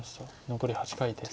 残り８回です。